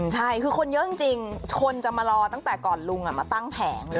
ใช่คือคนเยอะจริงคนจะมารอตั้งแต่ก่อนลุงมาตั้งแผงเลย